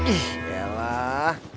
ih ya lah